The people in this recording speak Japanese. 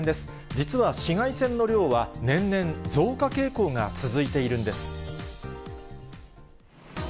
実は紫外線の量は、年々、増加傾向が続いているんです。